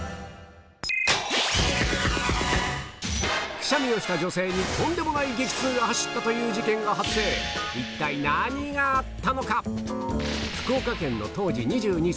くしゃみをした女性にとんでもない激痛が走ったという事件が発生一体何があったのか？